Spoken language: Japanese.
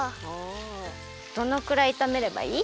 どのくらいいためればいい？